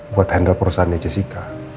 buat handle perusahaannya jessica